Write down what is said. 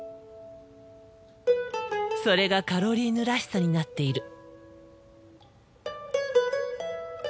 それがカロリーヌらしさになっている。